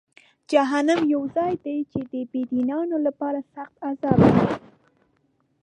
جهنم یو ځای دی چې د بېدینانو لپاره سخت عذاب لري.